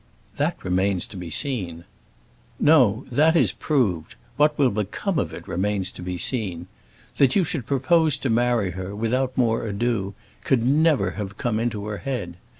"That remains to be seen." "No, that is proved. What will come of it remains to be seen. That you should propose to marry her, without more ado, could never have come into her head.